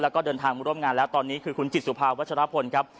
แล้วก็เดินทางมาร่วมงานแล้วตอนนี้คือคุณจิตสุภาวัชรพลครับ